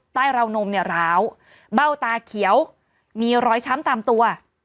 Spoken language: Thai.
ใต้ราวนมร้าวเป้าตาเขียวมีรอยช้ำตามตัว